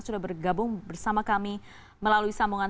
sudah bergabung bersama kami melalui sambungan